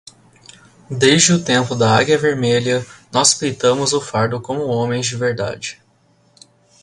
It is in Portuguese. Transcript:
Desde o tempo da águia vermelha, nós peitamos o fardo como homens de verdade